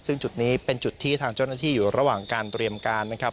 ซึ่งจุดนี้เป็นจุดที่ทางเจ้าหน้าที่อยู่ระหว่างการเตรียมการนะครับ